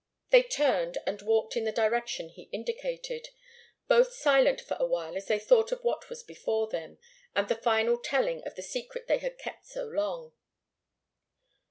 They turned and walked in the direction he indicated, both silent for a while as they thought of what was before them, and the final telling of the secret they had kept so long.